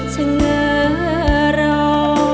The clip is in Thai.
เชื่อเรา